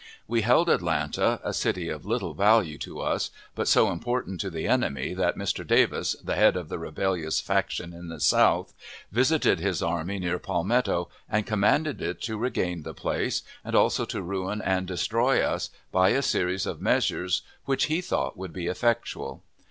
We held Atlanta, a city of little value to us, but so important to the enemy that Mr. Davis, the head of the rebellious faction in the South, visited his army near Palmetto, and commanded it to regain the place and also to ruin and destroy us, by a series of measures which he thought would be effectual.